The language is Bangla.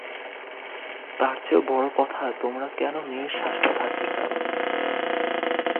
তারচেয়েও বড় কথা তোমরা কোনো মেয়ের শাসনে থাকতে চাও?